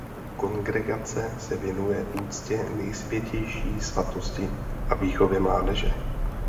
Kongregace se věnuje úctě Nejsvětější svátosti a výchově mládeže.